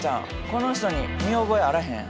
この人に見覚えあらへん？